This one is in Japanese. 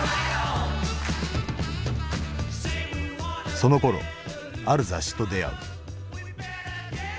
そのころある雑誌と出会う。